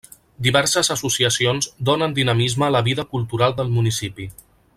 Diverses associacions donen dinamisme a la vida cultural del municipi.